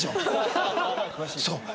そう。